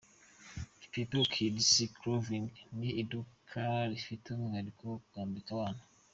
Kipepeo Kids Clothing ni iduka rifite umwihariko wo kwambika abana.